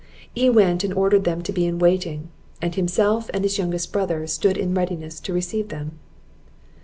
He went and ordered them to be in waiting; and himself, and his youngest brother, stood in readiness to receive them.